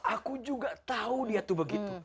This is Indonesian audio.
aku juga tahu dia tuh begitu